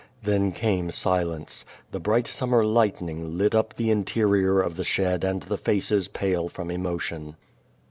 '' Then came silence. The bright summer lightning lit iip the interior of the shed and the faces pale from emotion.